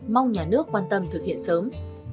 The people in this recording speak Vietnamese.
mong nhà nước quan tâm thực hiện sớm